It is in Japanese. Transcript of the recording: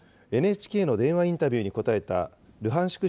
ＮＨＫの電話インタビューに答えたルハンシク